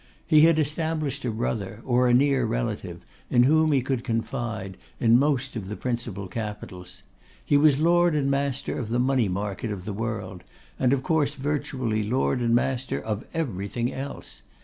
He had established a brother, or a near relative, in whom he could confide, in most of the principal capitals. He was lord and master of the money market of the world, and of course virtually lord and master of everything else.